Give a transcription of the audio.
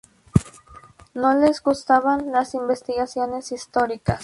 No le gustaban las investigaciones históricas.